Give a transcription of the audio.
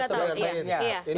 saya belum selesai